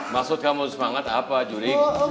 maksud kamu bersemangat apa jurik